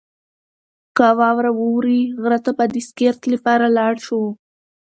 که واوره ووري، غره ته به د سکرت لپاره لاړ شو.